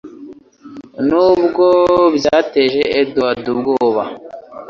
nubwo byateje Edward ubwoba